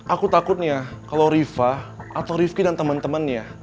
aku takutnya kalau riva atau rifki dan temen temennya